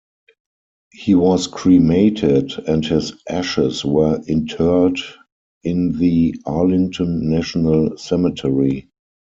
He was cremated and his ashes were interred in the Arlington National Cemetery.